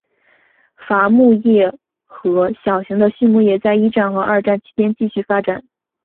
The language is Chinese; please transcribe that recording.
伐木业和小型的畜牧业在一战和二战期间继续发展。